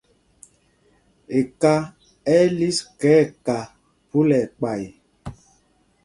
Eka ɛ́ ɛ́ lis ká nɛ ká phúla ɛkpay.